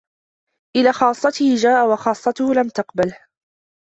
إلى خاصته جاء وخاصته لم تقبله.